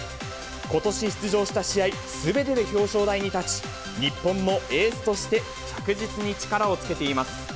ことし出場した試合すべてで表彰台に立ち、日本のエースとして着実に力をつけています。